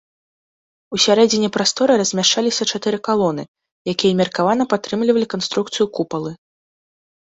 Усярэдзіне прасторы размяшчаліся чатыры калоны, якія меркавана падтрымлівалі канструкцыю купалы.